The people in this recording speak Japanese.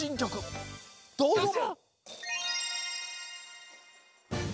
どうぞ。